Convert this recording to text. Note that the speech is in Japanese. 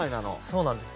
そうなんです。